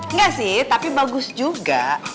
enggak sih tapi bagus juga